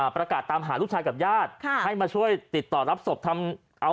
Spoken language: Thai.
ประกาศตามหาลูกชายกับญาติให้มาช่วยติดต่อรับศพทำเอา